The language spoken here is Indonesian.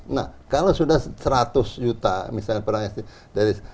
nah kalau sudah seratus juta misalnya perang isis